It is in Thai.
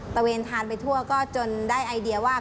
เวนทานไปทั่วก็จนได้ไอเดียว่า